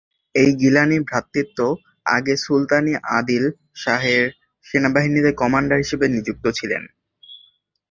এই গিলানি ভ্রাতৃত্ব আগে সুলতান আদিল শাহের সেনাবাহিনীতে কমান্ডার হিসেবে নিযুক্ত ছিলেন।